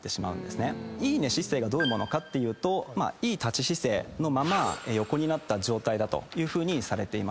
いい寝姿勢どういうものかっていうといい立ち姿勢のまま横になった状態だというふうにされていまして。